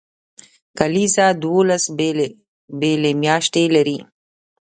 کلیزه دولس بیلې بیلې میاشتې لري.